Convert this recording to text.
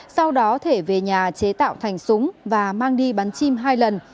sau đó thể về nhà chế tạo thành súng và mang đi bắn chim hai lần